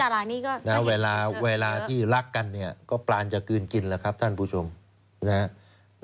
เวลาที่รักกันเนี่ยก็ปลานจะกลืนกินแล้วครับท่านผู้ชมนะครับ